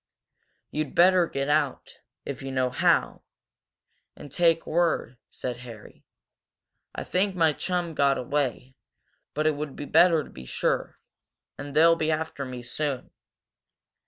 "You'd better get out, if you know how, and take word," said Harry. "I think my chum got away, but it would be better to be sure. And they'll be after me soon."